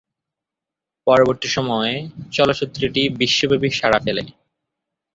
পরবর্তী সময়ে চলচ্চিত্রটি বিশ্বব্যাপী সাড়া ফেলে।